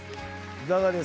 いかがですか？